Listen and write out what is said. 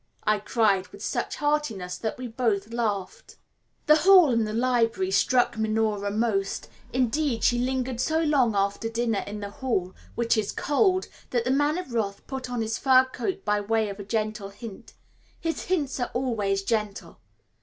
I cried, with such heartiness that we both laughed. The hall and the library struck Minora most; indeed, she lingered so long after dinner in the hall, which is cold, that the Man of Wrath put on his fur coat by way of a gentle hint. His hints are always gentle.